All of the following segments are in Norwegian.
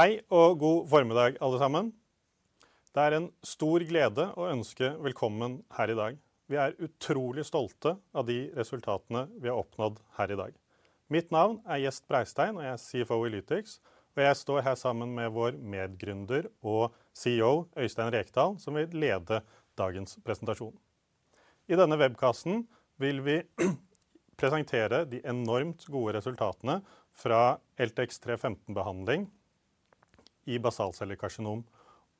Hei og god formiddag alle sammen! Det er en stor glede å ønske velkommen her i dag. Vi er utrolig stolte av de resultatene vi har oppnådd her i dag. Mitt navn er Jest Breistein, og jeg er CFO i Lytix, og jeg står her sammen med vår medgründer og CEO, Øystein Rekdal, som vil lede dagens presentasjon. I denne webcasten vil vi presentere de enormt gode resultatene fra LTX-315 behandling i basalcellekarsinom,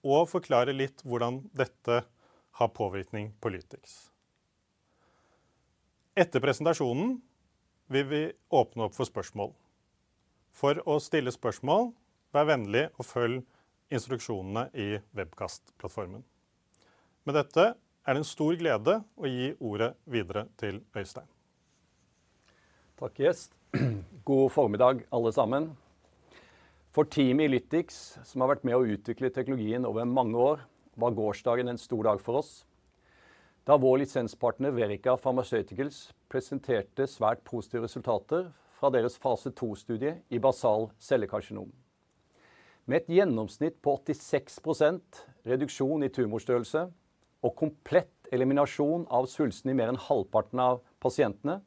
og forklare litt hvordan dette har påvirkning på Lytix. Etter presentasjonen vil vi åpne opp for spørsmål. For å stille spørsmål, vær vennlig og følg instruksjonene i webcast-plattformen. Med dette er det en stor glede å gi ordet videre til Øystein. Takk! Ja. God formiddag alle sammen. For teamet i Lytix, som har vært med å utvikle teknologien over mange år, var gårsdagen en stor dag for oss. Da vår lisenspartner Verica Pharmaceuticals presenterte svært positive resultater fra deres fase to studie i basal cellekarsinom. Med et gjennomsnitt på 86% reduksjon i tumorstørrelse og komplett eliminasjon av svulsten i mer enn halvparten av pasientene.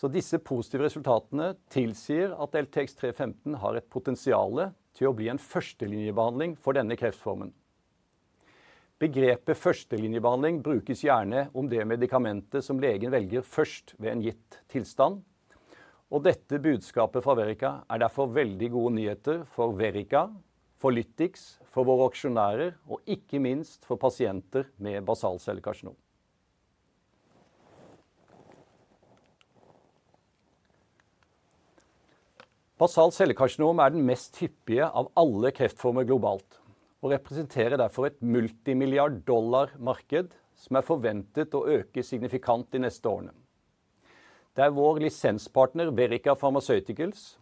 Så disse positive resultatene tilsier at LTX 315 har et potensiale til å bli en førstelinjebehandling for denne kreftformen. Begrepet førstelinjebehandling brukes gjerne om det medikamentet som legen velger først ved en gitt tilstand, og dette budskapet fra Verica er derfor veldig gode nyheter for Verica, for Lytix, for våre aksjonærer og ikke minst for pasienter med basalcellekarsinom. Basalcellekarsinom er den mest hyppige av alle kreftformer globalt, og representerer derfor et multimilliard dollar marked som er forventet å øke signifikant de neste årene. Det er vår lisenspartner, Verica Pharmaceuticals,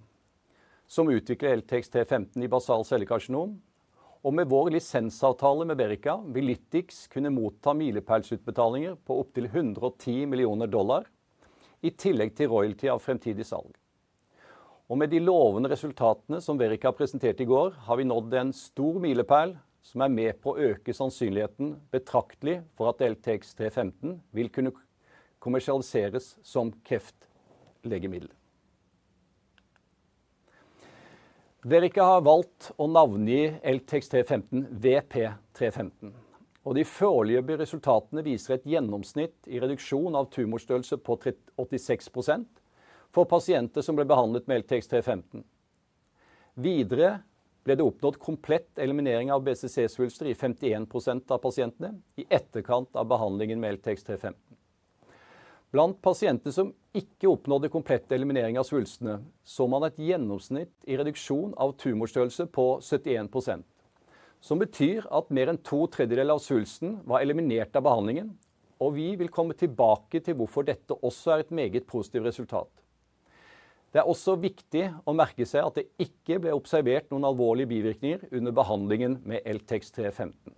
som utvikler LTX 315 i basalcellekarsinom og med vår lisensavtale med Verica, vil Lytix kunne motta milepælsutbetalinger på opptil $110 millioner, i tillegg til royalty av fremtidig salg. Og med de lovende resultatene som Verica presenterte i går, har vi nådd en stor milepæl som er med på å øke sannsynligheten betraktelig for at LTX 315 vil kunne kommersialiseres som kreftlegemiddel. Verica har valgt å navngi LTX 315, VP315, og de foreløpige resultatene viser et gjennomsnitt i reduksjon av tumorstørrelse på 86% for pasienter som ble behandlet med LTX 315. Videre ble det oppnådd komplett eliminering av BCC svulster i 50% av pasientene i etterkant av behandlingen med LTX 315. Blant pasienter som ikke oppnådde komplett eliminering av svulstene, så man et gjennomsnitt i reduksjon av tumorstørrelse på 70%, som betyr at mer enn to tredjedeler av svulsten var eliminert av behandlingen, og vi vil komme tilbake til hvorfor dette også er et meget positivt resultat. Det er også viktig å merke seg at det ikke ble observert noen alvorlige bivirkninger under behandlingen med LTX 315.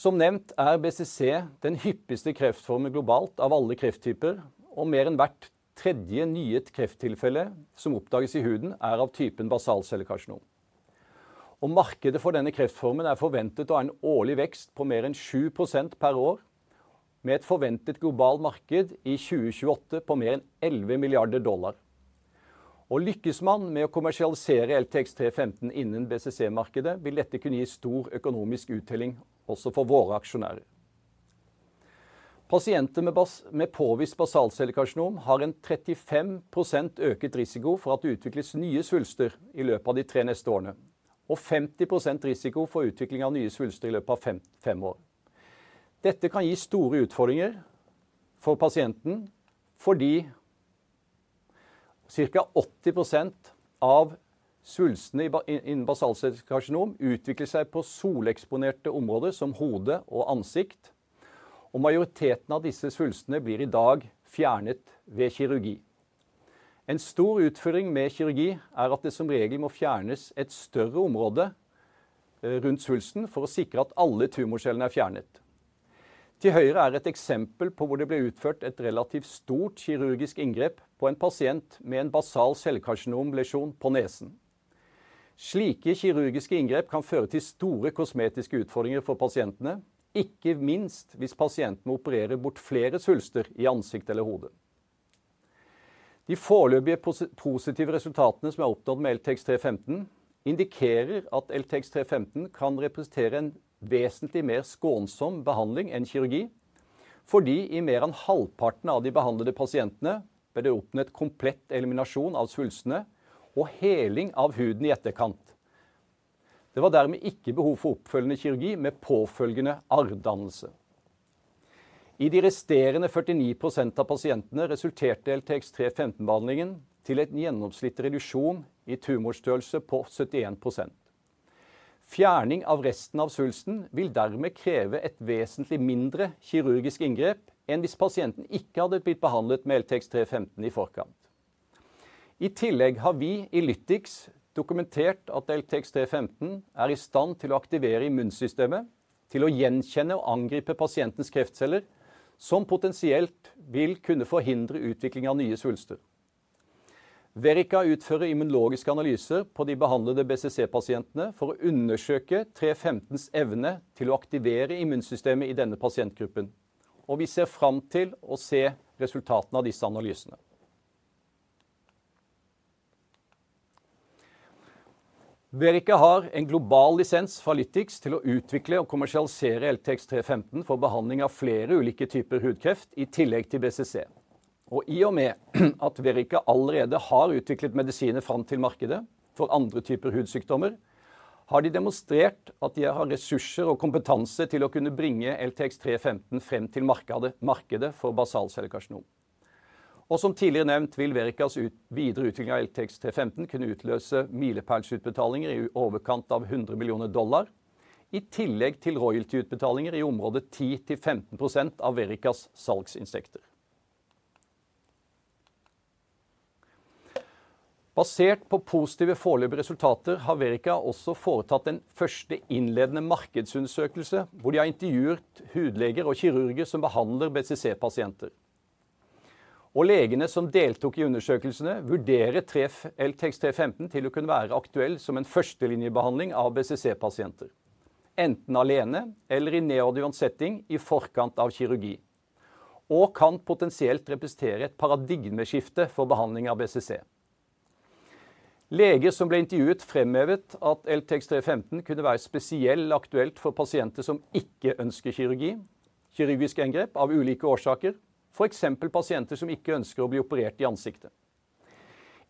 Som nevnt er BCC den hyppigste kreftformen globalt av alle krefttyper, og mer enn hvert tredje nye krefttilfelle som oppdages i huden er av typen basalcellekarsinom. Markedet for denne kreftformen er forventet å ha en årlig vekst på mer enn 7% per år, med et forventet globalt marked i 2028 på mer enn $11 milliarder. Lykkes man med å kommersialisere LTX 315 innen BCC markedet, vil dette kunne gi stor økonomisk uttelling også for våre aksjonærer. Pasienter med påvist basalcellekarsinom har en 35% øket risiko for at det utvikles nye svulster i løpet av de tre neste årene, og 50% risiko for utvikling av nye svulster i løpet av fem år. Dette kan gi store utfordringer for pasienten, fordi cirka 80% av svulstene innen basalcellekarsinom utvikler seg på soleksponerte områder som hode og ansikt, og majoriteten av disse svulstene blir i dag fjernet ved kirurgi. En stor utfordring med kirurgi er at det som regel må fjernes et større område rundt svulsten for å sikre at alle tumorcellene er fjernet. Til høyre er et eksempel på hvor det ble utført et relativt stort kirurgisk inngrep på en pasient med en basalcellekarsinom lesjon på nesen. Slike kirurgiske inngrep kan føre til store kosmetiske utfordringer for pasientene, ikke minst hvis pasienten opererer bort flere svulster i ansiktet eller hodet. De foreløpige positive resultatene som er oppnådd med LTX 315, indikerer at LTX 315 kan representere en vesentlig mer skånsom behandling enn kirurgi, fordi i mer enn halvparten av de behandlede pasientene ble det oppnådd komplett eliminasjon av svulstene og heling av huden i etterkant. Det var dermed ikke behov for oppfølgende kirurgi med påfølgende arrdannelse. I de resterende 40% av pasientene resulterte LTX 315 behandlingen til en gjennomsnittlig reduksjon i tumorstørrelse på 70%. Fjerning av resten av svulsten vil dermed kreve et vesentlig mindre kirurgisk inngrep enn hvis pasienten ikke hadde blitt behandlet med LTX 315 i forkant. I tillegg har vi i Lytix dokumentert at LTX 315 er i stand til å aktivere immunsystemet til å gjenkjenne og angripe pasientens kreftceller, som potensielt vil kunne forhindre utvikling av nye svulster. Verica utfører immunologiske analyser på de behandlede BCC-pasientene for å undersøke tre femtens evne til å aktivere immunsystemet i denne pasientgruppen, og vi ser frem til å se resultatene av disse analysene. Verica har en global lisens fra Lytix til å utvikle og kommersialisere LTX-315 for behandling av flere ulike typer hudkreft, i tillegg til BCC. I og med at Verica allerede har utviklet medisinen fram til markedet for andre typer hudsykdommer, har de demonstrert at de har ressurser og kompetanse til å kunne bringe LTX-315 frem til markedet for basalcellekarsinom. Som tidligere nevnt, vil Vericas videre utvikling av LTX-315 kunne utløse milepælsutbetalinger i overkant av $100 millioner, i tillegg til royalty-utbetalinger i området 10% til 15% av Vericas salgsinntekter. Basert på positive foreløpige resultater har Verica også foretatt den første innledende markedsundersøkelse, hvor de har intervjuet hudleger og kirurger som behandler BCC-pasienter, og legene som deltok i undersøkelsene vurderer LTX-315 til å kunne være aktuell som en førstelinjebehandling av BCC-pasienter, enten alene eller i neoadjuvant setting i forkant av kirurgi. Og kan potensielt representere et paradigmeskifte for behandling av BCC. Leger som ble intervjuet fremhevet at LTX-315 kunne være spesielt aktuelt for pasienter som ikke ønsker kirurgi, kirurgisk inngrep av ulike årsaker. For eksempel pasienter som ikke ønsker å bli operert i ansiktet.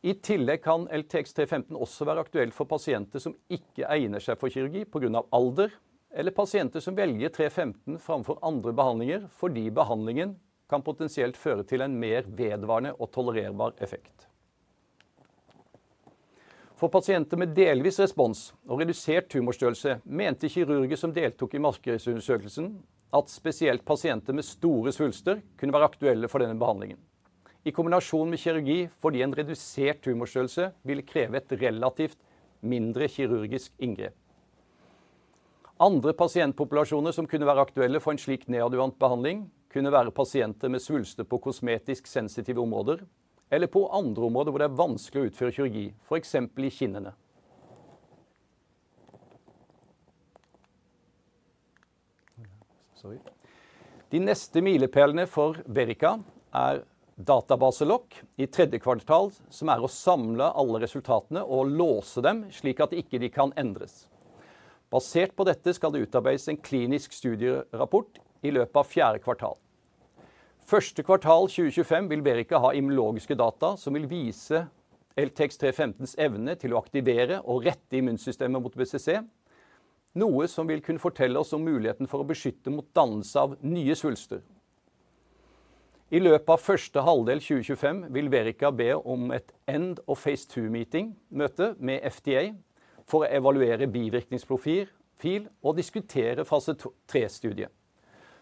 I tillegg kan LTX-315 også være aktuelt for pasienter som ikke egner seg for kirurgi på grunn av alder, eller pasienter som velger LTX-315 framfor andre behandlinger, fordi behandlingen kan potensielt føre til en mer vedvarende og tolererbar effekt. For pasienter med delvis respons og redusert tumorstørrelse, mente kirurger som deltok i markedsundersøkelsen at spesielt pasienter med store svulster kunne være aktuelle for denne behandlingen. I kombinasjon med kirurgi, fordi en redusert tumorstørrelse vil kreve et relativt mindre kirurgisk inngrep. Andre pasientpopulasjoner som kunne være aktuelle for en slik neoadjuvant behandling kunne være pasienter med svulster på kosmetisk sensitive områder eller på andre områder hvor det er vanskelig å utføre kirurgi, for eksempel i kinnene. De neste milepælene for Verica er databaselokk, i tredje kvartal, som er å samle alle resultatene og låse dem slik at ikke de kan endres. Basert på dette skal det utarbeides en klinisk studierapport i løpet av fjerde kvartal. Første kvartal 2025 vil Verica ha immunologiske data som vil vise LTX-315s evne til å aktivere og rette immunsystemet mot BCC, noe som vil kunne fortelle oss om muligheten for å beskytte mot dannelse av nye svulster. I løpet av første halvdel 2025 vil Verica be om et end-of-phase-two meeting møte med FDA for å evaluere bivirkningsprofil og diskutere fase tre studie.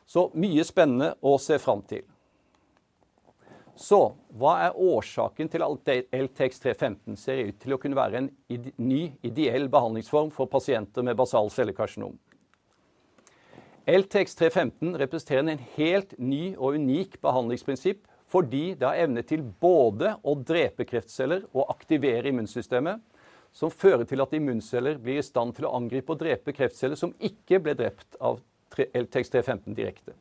Så mye spennende å se frem til! Hva er årsaken til at LTX-315 ser ut til å kunne være en ny ideell behandlingsform for pasienter med basalcellekarsinom? LTX 315 representerer et helt nytt og unikt behandlingsprinsipp, fordi det har evne til både å drepe kreftceller og aktivere immunsystemet, som fører til at immunceller blir i stand til å angripe og drepe kreftceller som ikke ble drept av LTX 315 direkte,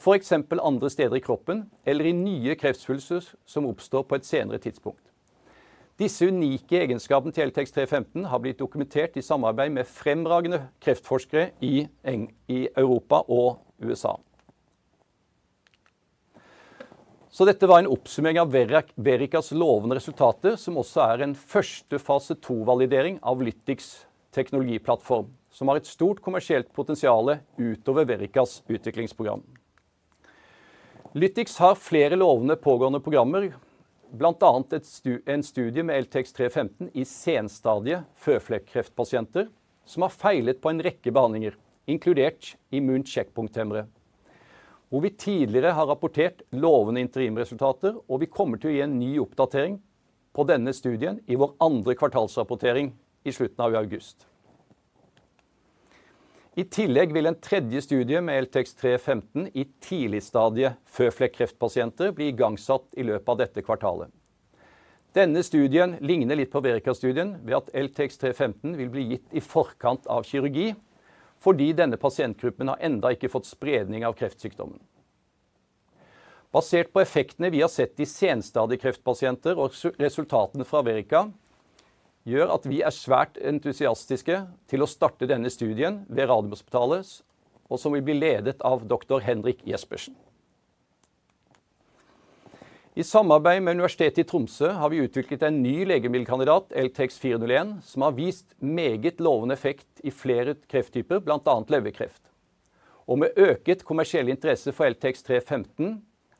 for eksempel andre steder i kroppen eller i nye kreftsvulster som oppstår på et senere tidspunkt. Disse unike egenskapene til LTX 315 har blitt dokumentert i samarbeid med fremragende kreftforskere i Europa og USA. Dette var en oppsummering av Vericas lovende resultater, som også er en første fase to validering av Lytix teknologiplattform, som har et stort kommersielt potensiale utover Vericas utviklingsprogram. Lytix har flere lovende pågående programmer, blant annet en studie med LTX 315 i senstadie kreftpasienter som har feilet på en rekke behandlinger, inkludert immuncjekkpunkthemmere, hvor vi tidligere har rapportert lovende interim resultater, og vi kommer til å gi en ny oppdatering på denne studien i vår andre kvartalsrapportering i slutten av august. I tillegg vil en tredje studie med LTX 315 i tidlig stadie kreftpasienter bli igangsatt i løpet av dette kvartalet. Denne studien ligner litt på Verica studien ved at LTX 315 vil bli gitt i forkant av kirurgi, fordi denne pasientgruppen enda ikke har fått spredning av kreftsykdommen. Basert på effektene vi har sett i senstadie kreftpasienter og resultatene fra Verica, gjør at vi er svært entusiastiske til å starte denne studien ved Radiumhospitalet, og som vil bli ledet av Doktor Henrik Jespersen. I samarbeid med Universitetet i Tromsø har vi utviklet en ny legemiddelkandidat, LTX 401, som har vist meget lovende effekt i flere krefttyper, blant annet leverkreft. Med øket kommersiell interesse for LTX 315,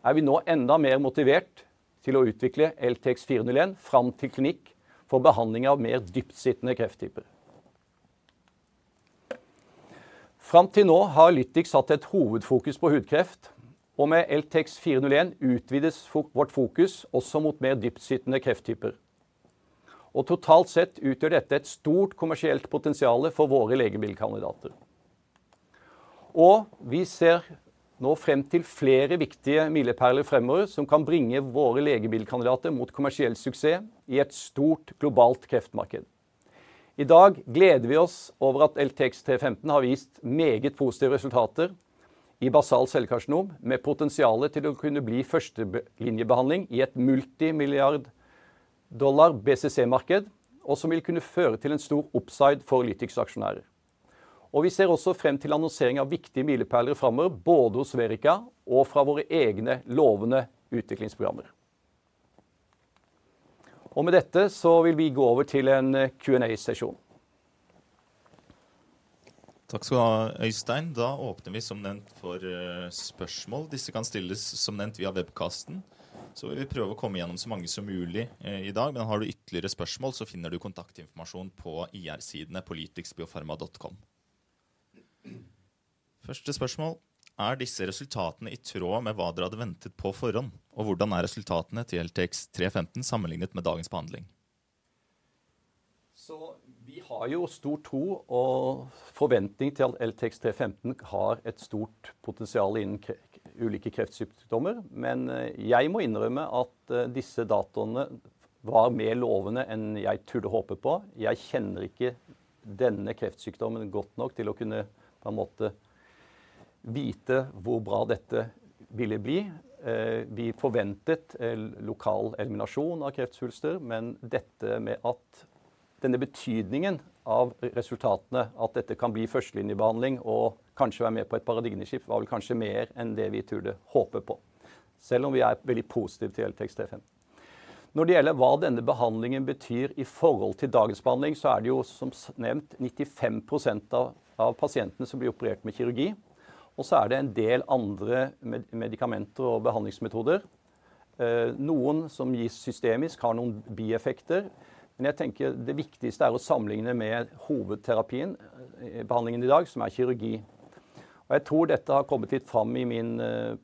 er vi nå enda mer motivert til å utvikle LTX 401 frem til klinikk for behandling av mer dypt sittende krefttyper. Fram til nå har Lytix hatt et hovedfokus på hudkreft, og med LTX 401 utvides vårt fokus også mot mer dypt sittende krefttyper. Totalt sett utgjør dette et stort kommersielt potensiale for våre legemiddelkandidater. Vi ser nå frem til flere viktige milepæler fremover som kan bringe våre legemiddelkandidater mot kommersiell suksess i et stort globalt kreftmarked. I dag gleder vi oss over at LTX-315 har vist meget positive resultater i basalcellekarsinom, med potensiale til å kunne bli førstelinjebehandling i et multimilliard dollar BCC-marked, og som vil kunne føre til en stor upside for Lytix-aksjonærer. Vi ser også frem til annonsering av viktige milepæler fremover, både hos Verica og fra våre egne lovende utviklingsprogrammer. Med dette vil vi gå over til en Q&A-sesjon. Takk skal du ha, Øystein! Da åpner vi som nevnt for spørsmål. Disse kan stilles som nevnt via webcasten, så vil vi prøve å komme gjennom så mange som mulig i dag. Men har du ytterligere spørsmål så finner du kontaktinformasjon på IR-sidene på Lytixbiopharma.com. Første spørsmål: Er disse resultatene i tråd med hva dere hadde ventet på forhånd, og hvordan er resultatene til LTX-315 sammenlignet med dagens behandling? Vi har stor tro og forventning til at LTX-315 har et stort potensiale innen kreft, ulike kreftsykdommer. Men jeg må innrømme at disse dataene var mer lovende enn jeg turde håpe på. Jeg kjenner ikke denne kreftsykdommen godt nok til å kunne vite hvor bra dette ville bli. Vi forventet lokal eliminasjon av kreftsvulster, men dette med betydningen av resultatene, at dette kan bli førstelinjebehandling og kanskje være med på et paradigmeskifte, var vel kanskje mer enn det vi turde håpe på. Selv om vi er veldig positiv til LTX-315. Når det gjelder hva denne behandlingen betyr i forhold til dagens behandling, er det som nevnt 95% av pasientene som blir operert med kirurgi. Det er en del andre medikamenter og behandlingsmetoder, noen som gis systemisk har noen bivirkninger. Men jeg tenker det viktigste er å sammenligne med hovedterapien, behandlingen i dag, som er kirurgi. Jeg tror dette har kommet litt frem i min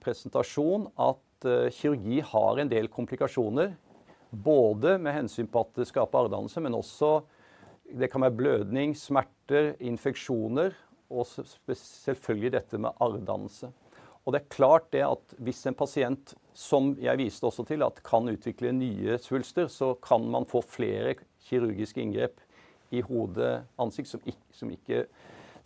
presentasjon, at kirurgi har en del komplikasjoner. Både med hensyn på at det skaper arrdannelse, men også det kan være blødning, smerter, infeksjoner og selvfølgelig dette med arrdannelse. Det er klart at hvis en pasient som jeg viste også til kan utvikle nye svulster, så kan man få flere kirurgiske inngrep i hode og ansikt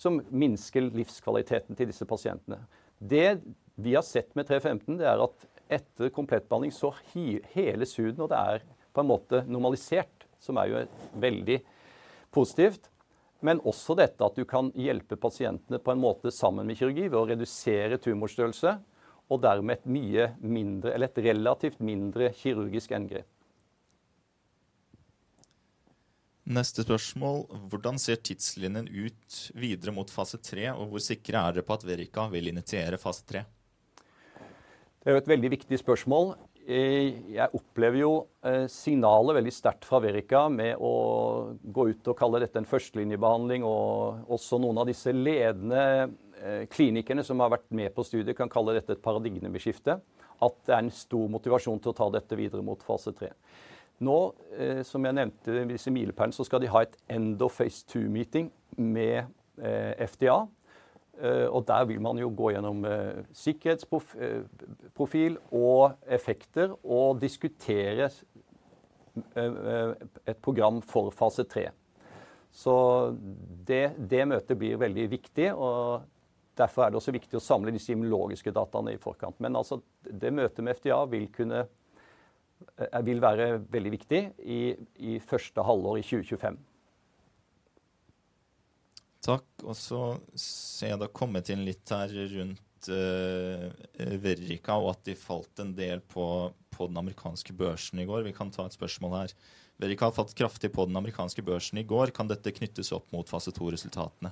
som minsker livskvaliteten til disse pasientene. Det vi har sett med tre femten, det er at etter komplett behandling så heles huden, og det er på en måte normalisert, som er jo veldig positivt. Men også dette at du kan hjelpe pasientene på en måte sammen med kirurgi ved å redusere tumorstørrelse og dermed et mye mindre eller et relativt mindre kirurgisk inngrep. Neste spørsmål. Hvordan ser tidslinjen ut videre mot fase tre, og hvor sikre er dere på at Verica vil initiere fase tre? Det er jo et veldig viktig spørsmål. Jeg opplever jo signalet veldig sterkt fra Verica med å gå ut og kalle dette en førstelinjebehandling, og også noen av disse ledende klinikerne som har vært med på studiet, kan kalle dette et paradigmeskifte. At det er en stor motivasjon til å ta dette videre mot fase tre. Nå som jeg nevnte disse milepælene, så skal de ha et end of phase two meeting med FDA, og der vil man jo gå gjennom sikkerhetsprofil og effekter og diskutere et program for fase tre. Så det møtet blir veldig viktig, og derfor er det også viktig å samle de immunologiske dataene i forkant. Men altså, det møtet med FDA vil kunne være veldig viktig i første halvår i 2025. Takk! Og så ser jeg det har kommet inn litt her rundt Verica og at de falt en del på den amerikanske børsen i går. Vi kan ta et spørsmål her. Verica har falt kraftig på den amerikanske børsen i går. Kan dette knyttes opp mot fase to resultatene?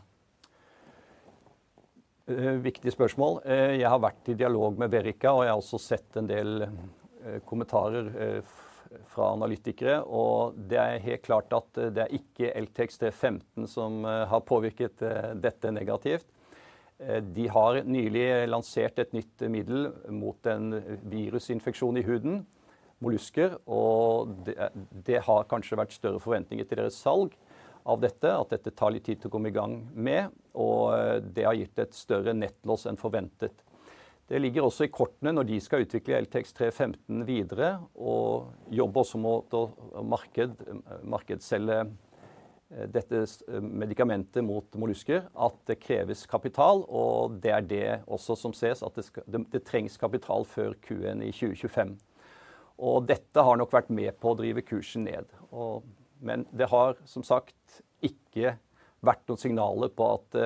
Viktig spørsmål. Jeg har vært i dialog med Verica, og jeg har også sett en del kommentarer fra analytikere. Det er helt klart at det ikke er LTX-315 som har påvirket dette negativt. De har nylig lansert et nytt middel mot en virusinfeksjon i huden, molluster, og det har kanskje vært større forventninger til deres salg av dette, at dette tar litt tid å komme i gang med, og det har gitt et større nettotap enn forventet. Det ligger også i kortene når de skal utvikle LTX-315 videre og jobbe også mot å markedsføre dette medikamentet mot molluster, at det kreves kapital. Det er det også som sees at det trengs kapital før Q4 i 2025. Dette har nok vært med på å drive kursen ned. Men det har som sagt ikke vært noen signaler på at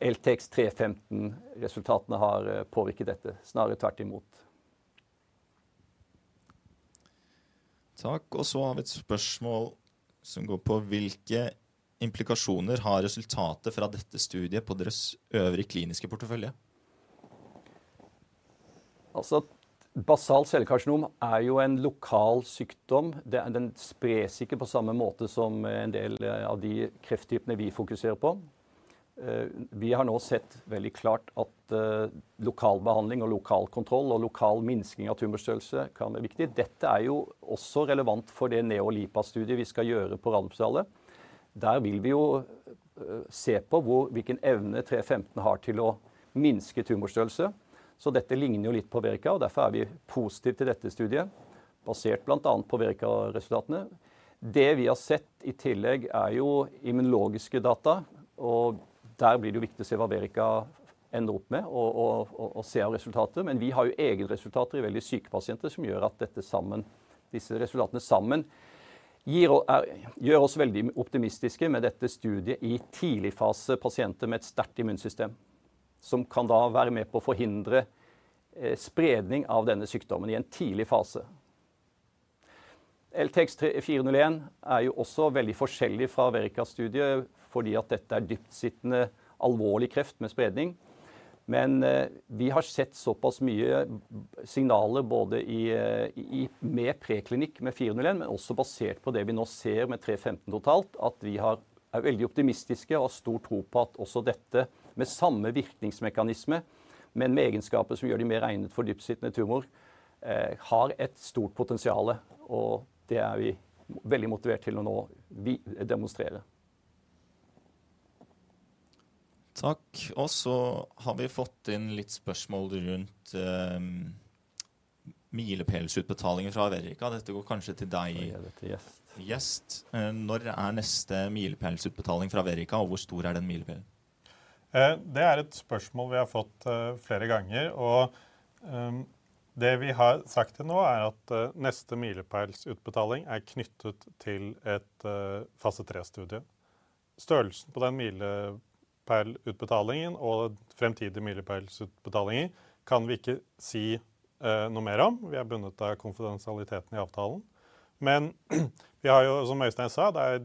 LTX-315 resultatene har påvirket dette. Snarere tvert imot. Takk. Og så har vi et spørsmål som går på hvilke implikasjoner har resultatet fra dette studiet på deres øvrige kliniske portefølje? Altså basalcellekarsinom er jo en lokal sykdom. Den spres ikke på samme måte som en del av de krefttypene vi fokuserer på. Vi har nå sett veldig klart at lokal behandling og lokal kontroll og lokal minskning av tumorstørrelse kan være viktig. Dette er jo også relevant for det Neo og LIPA studiet vi skal gjøre på Radiumhospitalet. Der vil vi jo se på hvilken evne tre femten har til å minske tumorstørrelse. Så dette ligner jo litt på Verica, og derfor er vi positive til dette studiet, basert blant annet på Verica resultatene. Det vi har sett i tillegg er jo immunologiske data, og der blir det jo viktig å se hva Verica ender opp med og se resultatet. Men vi har jo egne resultater i veldig syke pasienter som gjør at dette sammen, disse resultatene sammen gir og gjør oss veldig optimistiske med dette studiet i tidlig fase pasienter med et sterkt immunsystem, som kan da være med på å forhindre spredning av denne sykdommen i en tidlig fase. LTX-401 er jo også veldig forskjellig fra Verica-studiet, fordi at dette er dypt sittende alvorlig kreft med spredning. Men vi har sett såpass mye signaler både i preklinikk med 401, men også basert på det vi nå ser med 315 totalt. At vi er veldig optimistiske og har stor tro på at også dette med samme virkningsmekanisme, men med egenskaper som gjør de mer egnet for dypt sittende tumor, har et stort potensiale. Og det er vi veldig motivert til å nå demonstrere. Takk. Og så har vi fått inn litt spørsmål rundt milepælsutbetalinger fra Verica. Dette går kanskje til deg, Det går til Gjest. Gjest. Når er neste milepælsutbetaling fra Verica, og hvor stor er den milepælen? Det er et spørsmål vi har fått flere ganger, og det vi har sagt til nå er at neste milepælsutbetaling er knyttet til et fase tre studie. Størrelsen på den milepæl utbetalingen og fremtidige milepælsutbetalinger kan vi ikke si noe mer om. Vi er bundet av konfidensialiteten i avtalen. Men vi har jo, som Øystein sa, det er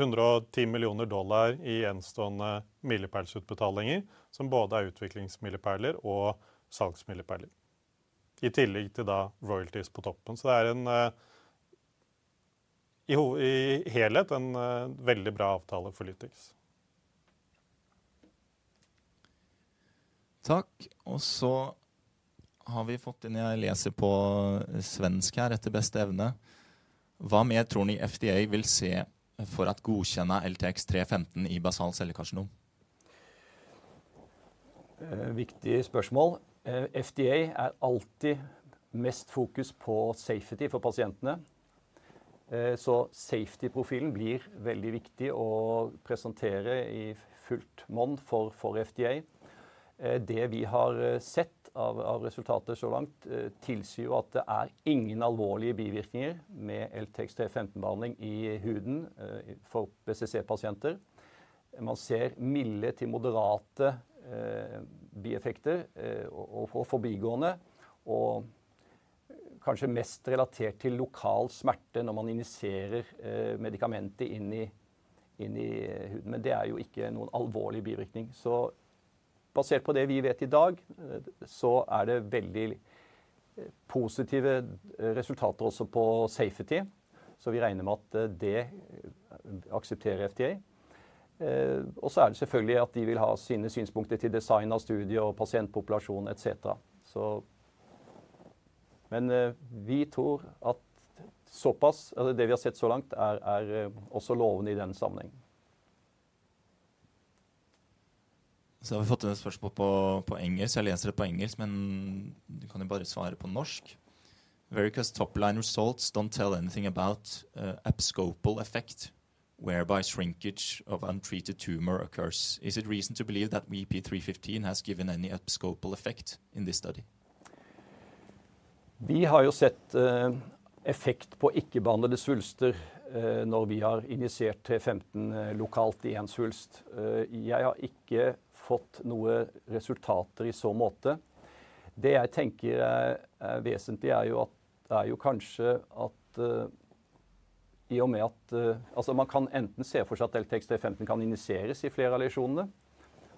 $110 millioner i gjenstående milepælsutbetalinger, som både er utviklingsmilepæler og salgsmilepæler. I tillegg til royalties på toppen. Så det er en, i helhet en veldig bra avtale for Lytex. Takk. Og så har vi fått inn, jeg leser på svensk her etter beste evne. Hva mer tror ni FDA vil se for å godkjenne LTX-315 i basalcellekarsinom? Viktig spørsmål. FDA er alltid mest fokusert på safety for pasientene, så safety-profilen blir veldig viktig å presentere i fullt monn for FDA. Det vi har sett av resultater så langt tilsier jo at det er ingen alvorlige bivirkninger med LTX-315 behandling i huden for BCC-pasienter. Man ser milde til moderate bieffekter og forbigående, og kanskje mest relatert til lokal smerte når man injiserer medikamentet inn i huden. Men det er jo ikke noen alvorlig bivirkning. Så basert på det vi vet i dag, så er det veldig positive resultater også på safety, så vi regner med at det aksepterer FDA. Og så er det selvfølgelig at de vil ha sine synspunkter til design av studien og pasientpopulasjonen et cetera. Men vi tror at såpass er det vi har sett så langt er også lovende i den sammenheng. Så har vi fått et spørsmål på engelsk. Jeg leser det på engelsk, men du kan jo bare svare på norsk. Vericas top line results don't tell anything about abscopal effect whereby shrinkage of untreated tumor occurs. Is it reason to believe that VP-315 has given any abscopal effect in this study? Vi har jo sett effekt på ikke behandlede svulster når vi har injisert LTX-315 lokalt i en svulst. Jeg har ikke fått noen resultater i så måte. Det jeg tenker er vesentlig er jo at i og med at man kan enten se for seg at LTX-315 kan injiseres i flere av lesjonene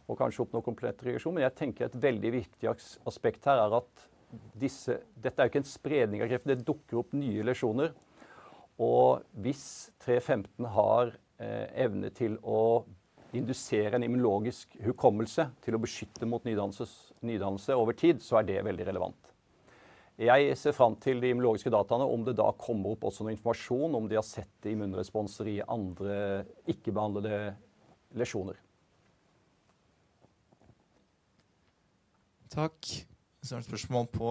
og kanskje oppnå komplett regresjon. Men jeg tenker et veldig viktig aspekt her er at disse, dette er ikke en spredning av kreften, det dukker opp nye lesjoner. Hvis LTX-315 har evne til å indusere en immunologisk hukommelse til å beskytte mot nydannelse over tid, så er det veldig relevant. Jeg ser frem til de biologiske dataene, om det da kommer opp også noe informasjon om de har sett immunrespons i andre ikke behandlede lesjoner. Takk! Så er det et spørsmål på: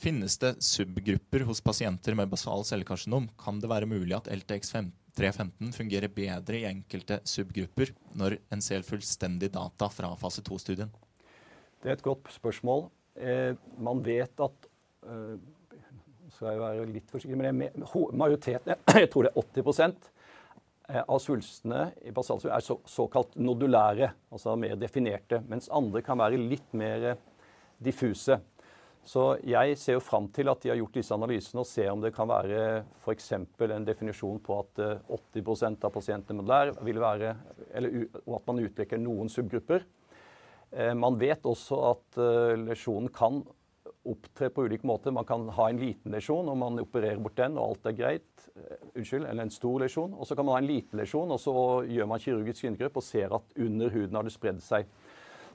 finnes det subgrupper hos pasienter med basalcellekarsinom? Kan det være mulig at LTX-315 fungerer bedre i enkelte subgrupper, når en ser fullstendig data fra fase to-studien? Det er et godt spørsmål. Man vet at, så skal jeg være litt forsiktig med det, men majoriteten jeg tror det er 80% av svulstene i basalceller er såkalt nodulære, altså mer definerte, mens andre kan være litt mer diffuse. Så jeg ser jo frem til at de har gjort disse analysene og se om det kan være for eksempel en definisjon på at 80% av pasientene der vil være, eller at man utvikler noen subgrupper. Man vet også at lesjonen kan opptre på ulike måter. Man kan ha en liten lesjon, og man opererer bort den og alt er greit. Unnskyld, eller en stor lesjon. Og så kan man ha en liten lesjon, og så gjør man kirurgisk inngrep og ser at under huden har det spredd seg.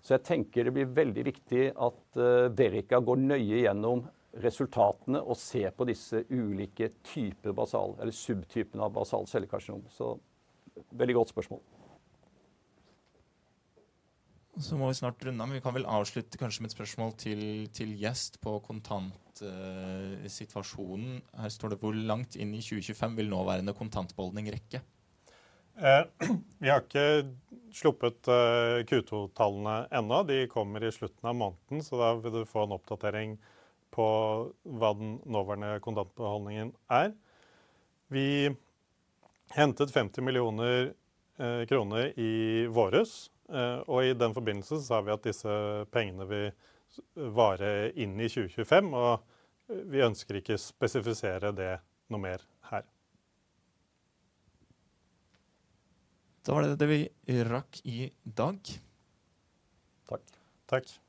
Så jeg tenker det blir veldig viktig at Verica går nøye gjennom resultatene og ser på disse ulike typer basal eller subtypene av basal cellekarsinom. Veldig godt spørsmål. Så må vi snart runde av, men vi kan vel avslutte kanskje med et spørsmål til gjest på kontantsituasjonen. Her står det hvor langt inn i 2025 vil nåværende kontantbeholdning rekke? Vi har ikke sluppet Q4-tallene enda. De kommer i slutten av måneden, så da vil du få en oppdatering på hva den nåværende kontantbeholdningen er. Vi hentet NOK 50 millioner i våres, og i den forbindelse sa vi at disse pengene vil vare inn i 2025, og vi ønsker ikke spesifisere det noe mer her. Da var det det vi rakk i dag. Takk. Takk!